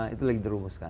itu lagi dirumuskan